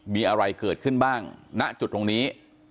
มีอะไรเกิดขึ้นบ้างณจุดตรงนี้